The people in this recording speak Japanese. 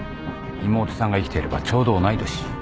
妹さんが生きていればちょうど同い年。